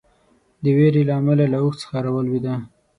د وېرې له امله له اوښ څخه راولېده.